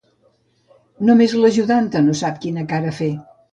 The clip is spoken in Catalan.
Només l'ajudanta no sap quina cara fer.